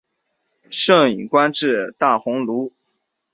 盛允官至大鸿胪。